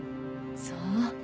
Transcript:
そう。